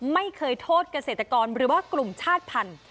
ไม่เคยโทษเกษตรกรหรือว่ากลุ่มชาติพันธุ